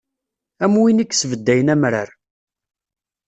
Am win i yesbeddayen amrar.